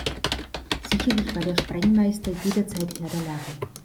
Sicherlich war der Sprengmeister jederzeit Herr der Lage.